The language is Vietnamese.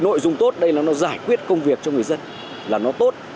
nội dung tốt đây là nó giải quyết công việc cho người dân là nó tốt